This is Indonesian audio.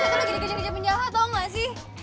aku lagi di geja geja penjahat tau gak sih